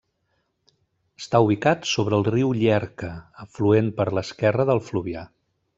Està ubicat sobre el riu Llierca, afluent per l'esquerra del Fluvià.